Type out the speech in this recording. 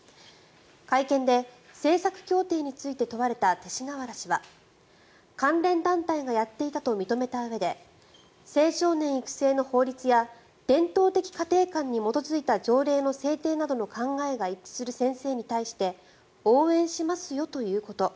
会見で政策協定について問われた勅使河原氏は関連団体がやっていたと認めたうえで青少年育成の法律や伝統的家庭観に基づいた条例の制定などの考えが一致する先生に対して応援しますよということ。